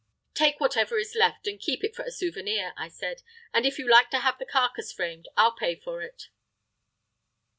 "Take whatever is left, and keep it for a souvenir," I said. "And if you like to have the carcase framed, I'll pay for it."